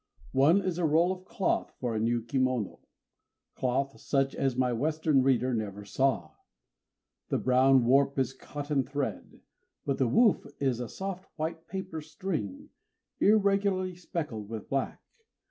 One is a roll of cloth for a new kimono, cloth such as my Western reader never saw. The brown warp is cotton thread; but the woof is soft white paper string, irregularly speckled with black.